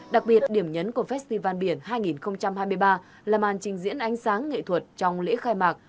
đặc biệt điểm nhấn của festival biển hai nghìn hai mươi ba là màn trình diễn ánh sáng nghệ thuật trong lễ khai mạc